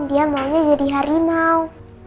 dia maunya jadi harimau